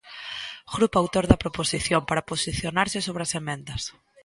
Grupo autor da proposición para posicionarse sobre as emendas.